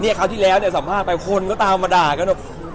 คราวที่แล้วเนี่ยสัมภาษณ์ไปคนก็ตามมาด่ากันแบบ